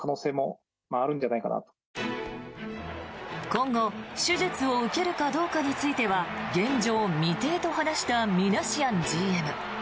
今後、手術を受けるかどうかについては現状未定と話したミナシアンＧＭ。